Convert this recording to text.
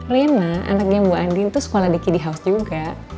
reina anaknya bu andin tuh sekolah di kiddy house juga